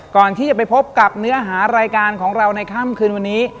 ก่อนที่จะไปพบกับเนื้อหารายการของเราในค่ำคืนวันนี้